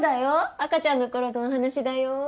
赤ちゃんの頃のお話だよ。